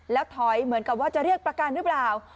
แล้วถอยเหมือนกับว่าจะเรียกประกันหรือเปล่า